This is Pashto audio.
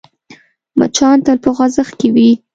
مچان تل په خوځښت کې وي